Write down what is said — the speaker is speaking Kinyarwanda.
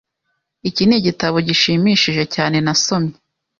Iki nigitabo gishimishije cyane nasomye.